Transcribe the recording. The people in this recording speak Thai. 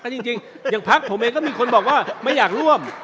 จริงอย่างพักผมเองก็มีคนบอกว่าไม่อยากร่วม